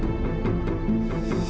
aku sedih banget